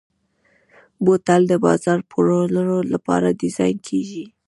بوتل د بازار پلورلو لپاره ډیزاین کېږي.